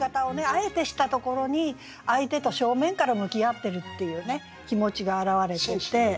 あえてしたところに相手と正面から向き合ってるっていう気持ちが表れていて。